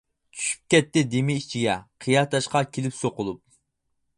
چۈشۈپ كەتتى دېمى ئىچىگە، قىيا تاشقا كېلىپ سوقۇلۇپ.